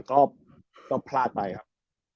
ก็พลาดไปครับ